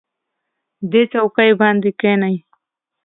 دې څوکۍ باندې کېنئ.